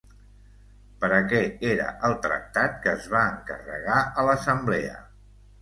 Per a què era el tractat que es va encarregar a l'Assemblea?